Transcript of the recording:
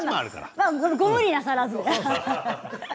ご無理なさらず。